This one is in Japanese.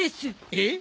えっ？